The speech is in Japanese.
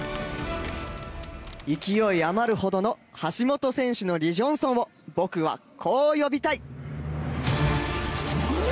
勢い余るほどの橋本選手のリ・ジョンソンを僕は、こう呼びたい。